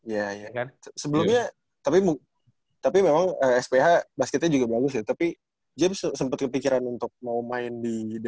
iya iya sebelumnya tapi memang sph basketnya juga bagus ya tapi james sempet kepikiran untuk mau main di dbl gak sih